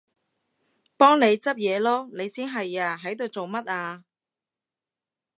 幫你執嘢囉！你先係啊，喺度做乜啊？